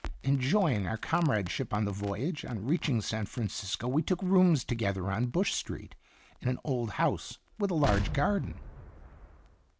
Enjoying our com radeship on the voyage, on reaching San Fran cisco we took rooms together, on Bush Street, in an old house with a large garden.